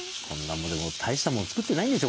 でも大したもん作ってないんですよ